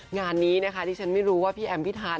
งานนี้นะคะที่ฉันไม่รู้ว่าพี่แอมพิธาน